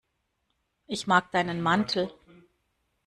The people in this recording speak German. Ich mag deinen Mantel.